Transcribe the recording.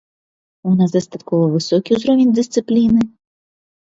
У нас дастаткова высокі ўзровень дысцыпліны.